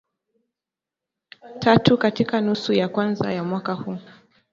tatu katika nusu ya kwanza ya mwaka huu